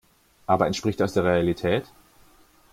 Aber entspricht das der Realität?